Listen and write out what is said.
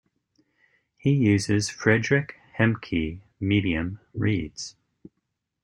He uses Frederick Hemke medium reeds.